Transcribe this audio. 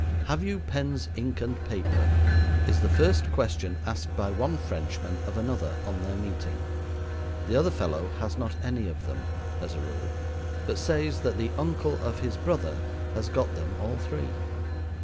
"Have you pens, ink, and paper?" is the first question asked by one Frenchman of another on their meeting. The other fellow has not any of them, as a rule, but says that the uncle of his brother has got them all three.